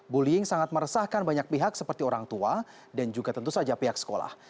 bullying sangat meresahkan banyak pihak seperti orang tua dan juga tentu saja pihak sekolah